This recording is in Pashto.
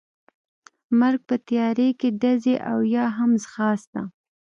مرګ، په تیارې کې ډزې او یا هم ځغاسته.